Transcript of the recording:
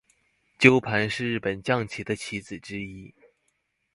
鸠盘是日本将棋的棋子之一。